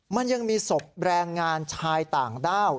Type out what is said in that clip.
มันยังมีศพแรงงานชายต่างด้าว